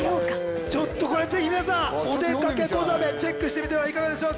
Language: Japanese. ちょっとこれぜひ皆さん『おでかけ子ザメ』チェックしてみてはいかがでしょうか？